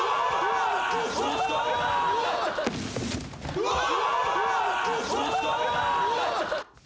うわあっ！